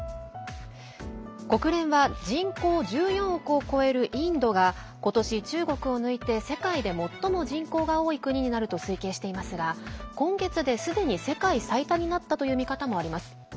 国連は人口１４億を超えるインドが今年、中国を抜いて世界で最も人口が多い国になると推計していますが、今月ですでに世界最多になったという見方もあります。